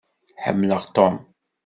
Ḥemmleɣ Tom.